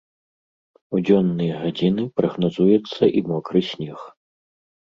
У дзённыя гадзіны прагназуецца і мокры снег.